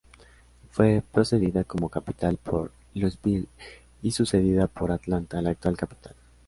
Fue precedida como capital por Louisville y sucedida por Atlanta, la actual capital.